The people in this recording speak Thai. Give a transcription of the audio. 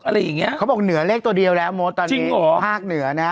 อะไรอย่างเงี้ยเขาบอกเหนือเลขตัวเดียวแล้วมดตอนนี้ภาคเหนือนะ